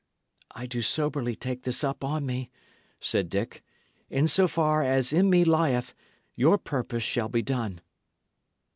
"I do soberly take this up on me," said Dick. "In so far as in me lieth, your purpose shall be done."